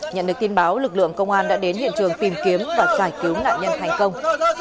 nhận được tin báo lực lượng công an đã đến hiện trường tìm kiếm và giải cứu nạn nhân thành công